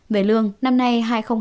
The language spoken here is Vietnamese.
về lương năm nay hai nghìn hai mươi hai